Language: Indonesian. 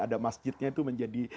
ada masjidnya itu menjadi